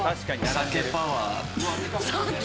酒パワー。